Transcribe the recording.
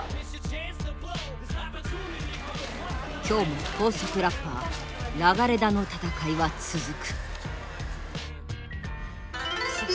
今日も高速ラッパー流田の闘いは続く。